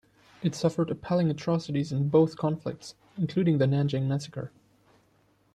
It suffered appalling atrocities in both conflicts, including the Nanjing Massacre.